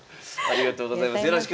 ありがとうございます。